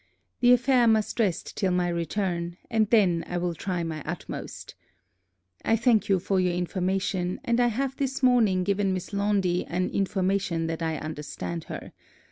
The affair must rest till my return; and then I will try my utmost. I thank you for your information, and I have this morning given Miss Laundy an information that I understand her.